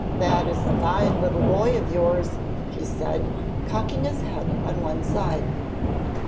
'That is a fine little boy of yours,' he said, cocking his head on one side.